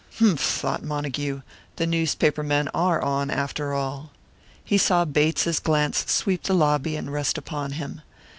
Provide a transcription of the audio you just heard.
"Humph!" thought Montague. "The newspaper men are 'on,' after all." He saw Bates's glance sweep the lobby and rest upon him.